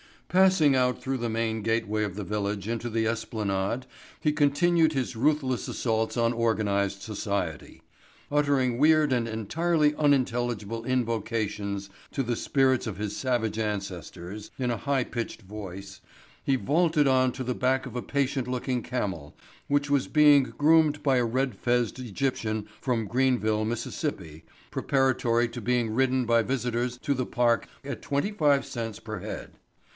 Passing out through the main gateway of the village into the esplanade he continued his ruthless assaults on organized society. Uttering weird and entirely unintelligible invocations to the spirits of his savage ancestors in a high pitched voice, he vaulted on to the back of a patient looking camel which was being groomed by a red fezzed Egyptian from Greenville, Mississippi, preparatory to being ridden by visitors to the park at twenty five cents per head.